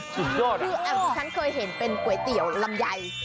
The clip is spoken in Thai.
สุดยอดคือที่ฉันเคยเห็นเป็นก๋วยเตี๋ยวลำไย